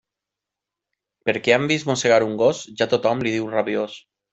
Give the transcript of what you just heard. Perquè han vist mossegar un gos, ja tothom li diu rabiós.